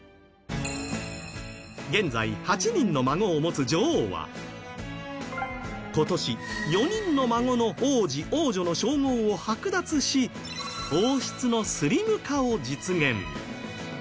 現在８人の孫を持つ女王は今年、４人の孫の王子・王女の称号を剥奪し王室のスリム化を実現。